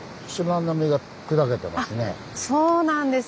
そうなんです！